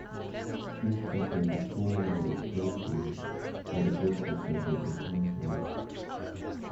Beef contains a small amount of protein that is also present in cow's milk.